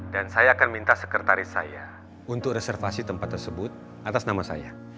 dan saya akan minta sekretaris saya untuk reservasi tempat tersebut atas nama saya